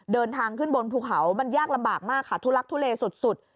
เดินทางขึ้นบนภูเขามันยากลำบากมากค่ะทุลักทุเลสุด